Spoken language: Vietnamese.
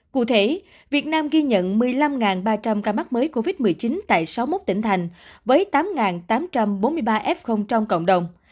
cụ thể việt nam ghi nhận một mươi năm ba trăm linh ca mắc mới covid một mươi chín tại sáu mươi một tỉnh thành với tám tám trăm bốn mươi ba f trong cộng đồng